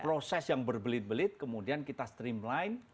proses yang berbelit belit kemudian kita streamline